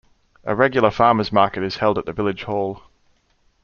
A regular farmers' market is held at the village hall.